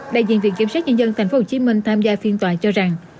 đại diện viện kiểm sát nhân dân tp hcm tham gia phiên tòa cho rằng